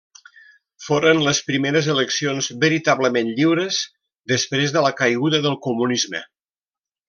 Foren les primeres eleccions veritablement lliures després de la caiguda del comunisme.